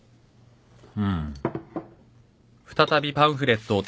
うん。